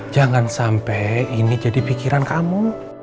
jangan sampai ini jadi pikiran kamu